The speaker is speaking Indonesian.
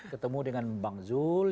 ketemu dengan bang zul